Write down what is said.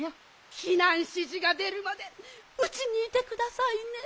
ひなんしじがでるまでうちにいてくださいね。